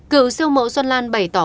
cựu siêu mộ xuân lan bày tỏ